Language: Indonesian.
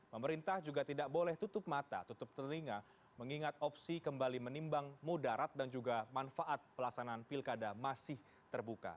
pemerintah juga tidak boleh tutup mata tutup telinga mengingat opsi kembali menimbang mudarat dan juga manfaat pelaksanaan pilkada masih terbuka